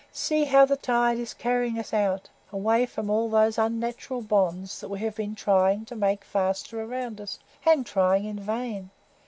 See how the tide is carrying us out, away from all those unnatural bonds that we have been trying to make faster round us, and trying in vain.